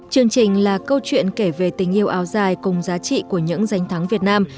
chương trình là câu chuyện kể về tình yêu áo dài cùng giá trị của những danh thắng việt nam